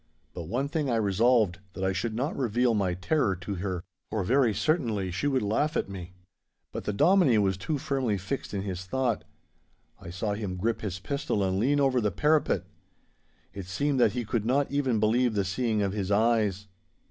But one thing I resolved—that I should not reveal my terror to her, for very certainly she would laugh at me! But the Dominie was too firmly fixed in his thought. I saw him grip his pistol and lean over the parapet. It seemed that he could not even believe the seeing of his eyes.